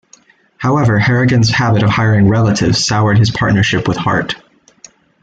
However, Harrigan's habit of hiring relatives soured his partnership with Hart.